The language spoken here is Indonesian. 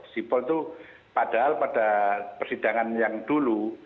sipol itu padahal pada persidangan yang dulu